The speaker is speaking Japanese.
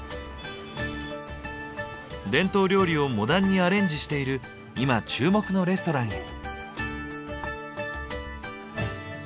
伝統料理をモダンにアレンジしている今注目のレストランへ。